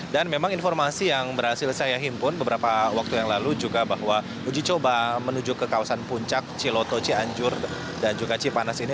dan memang informasi yang berhasil saya himpun beberapa waktu yang lalu juga bahwa uji coba menuju ke kawasan puncak ciloto cianjur dan juga cipanas ini